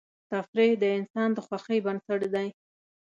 تفریح د انسان د خوښۍ بنسټ دی.